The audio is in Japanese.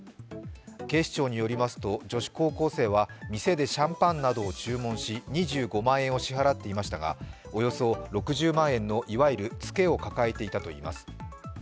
警視庁によりますと女子高校生は店でシャンパンなどを注文し２５万円を支払っていましたが、およそ６０万円の、いわゆるツケを抱えていたといいいます。